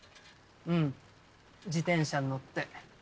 うん自転車乗って。